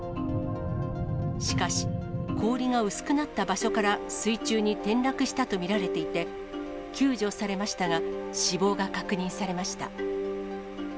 しかし、氷が薄くなった場所から水中に転落したと見られていて、救助されましたが、死亡が確認されました。